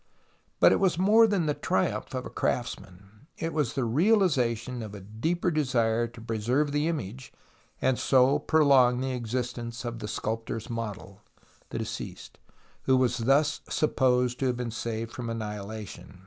But it was more tha!i the triumpli of a crafts man : it was the realization of a deeper desire to preserve the image, and so prolong the existence of the sculptor s model, the deceased, Avho was thus supposed to have been saved from annihilation.